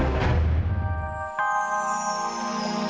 jangan jangan amira kedengaran apa lagi